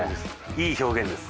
いい表現です。